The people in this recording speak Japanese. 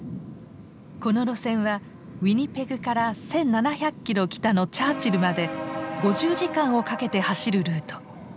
この路線はウィニペグから１，７００キロ北のチャーチルまで５０時間をかけて走るルート。